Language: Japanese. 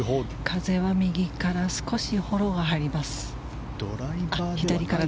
風は左から少しフォローが入ります。